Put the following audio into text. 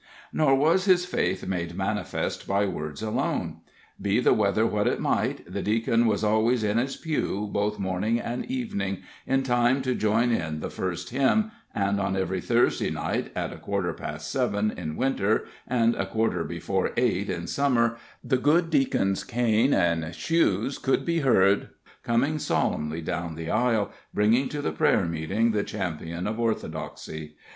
Nor was his faith made manifest by words alone. Be the weather what it might, the Deacon was always in his pew, both morning and evening, in time to join in the first hymn, and on every Thursday night, at a quarter past seven in winter, and a quarter before eight in summer, the good Deacon's cane and shoes could be heard coming solemnly down the aisle, bringing to the prayer meeting the champion of orthodoxy.